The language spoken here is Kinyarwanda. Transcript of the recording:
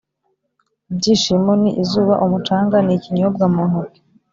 ibyishimo ni izuba, umucanga, n'ikinyobwa mu ntoki.